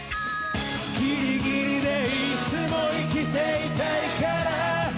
「ギリギリでいつも生きていたいからＡｈ」